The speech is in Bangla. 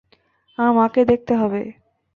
আমার মাকে দেখতে হবে।